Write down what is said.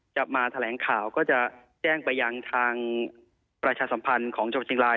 จะมาแถลงข่าวก็จะแจ้งไปยังทางประชาสัมพันธ์ของจังหวัดเชียงราย